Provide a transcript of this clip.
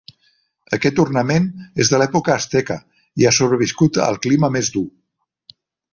Aquest ornament és de l'època asteca i ha sobreviscut al clima més dur.